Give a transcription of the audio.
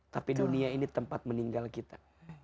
tapi dunia ini tempat meninggal kita